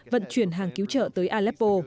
vận chuyển hàng cứu trợ tới aleppo